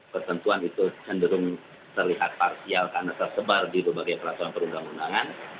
ketentuan itu cenderung terlihat parsial karena tersebar di berbagai peraturan perundang undangan